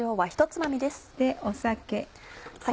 酒。